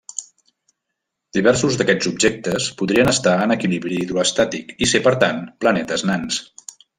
Diversos d'aquests objectes podrien estar en equilibri hidroestàtic i ser per tant planetes nans.